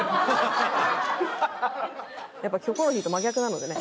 『キョコロヒー』と真逆なのでね。